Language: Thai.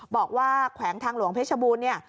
แขวงทางหลวงเพชรบูรณ์เนี่ย